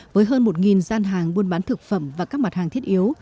với hơn một gian hàng buôn bán thực phẩm và các mặt hàng thiết yếu